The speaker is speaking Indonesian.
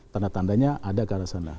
tanda tandanya ada ke arah sana